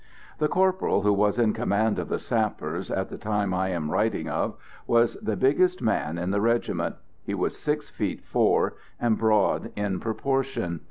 The corporal who was in command of the sappers, at the time I am writing of, was the biggest man in the regiment. He was six feet four, and broad in proportion.